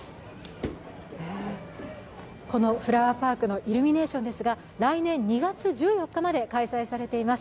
このフラワーパークのイルミネーションですが、来年２月１４日まで開催されています。